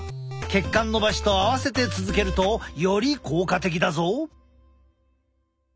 血管のばしと合わせて続けるとより効果的だぞ！